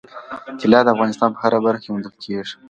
طلا د افغانستان په هره برخه کې موندل کېږي.